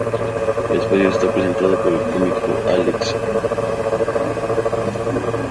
El espacio está presentado por el cómico Alex O’Dogherty.